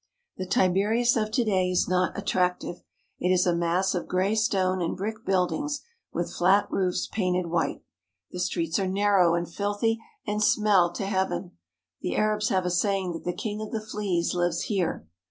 The Tiberias of to day is not attractive. It is a mass of gray stone and brick buildings, with flat roofs painted white. The streets are narrow and filthy and smell to heaven. The Arabs have a saying that the king of the fleas lives here.